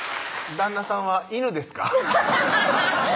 旦那さんは犬ですか？